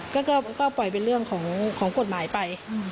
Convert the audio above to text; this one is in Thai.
ก็ปล่อยเป็นเรื่องของกฎหมายไป